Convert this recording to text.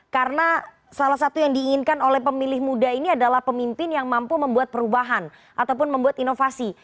karena salah satu yang diinginkan oleh pemilih muda ini adalah pemimpin yang mampu membuat perubahan ataupun membuat inovasi